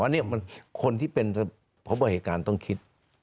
ว่านี่มันคนที่เป็นผู้บัญชาการต้องคิด